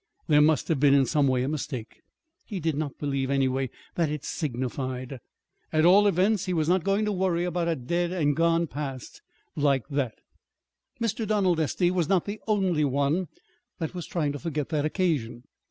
There must have been, in some way, a mistake. He did not believe, anyway, that it signified. At all events, he was not going to worry about a dead and gone past like that. Mr. Donald Estey was not the only one that was trying to forget that occasion.